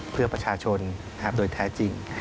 เพื่อประชาชนโดยแท้จริง